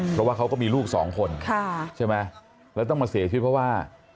เพราะว่าเขาก็มีลูกสองคนใช่ไหมแล้วต้องมาเสียชีวิตเพราะว่า